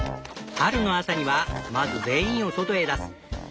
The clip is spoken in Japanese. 春の朝にはまず全員を外へ出す。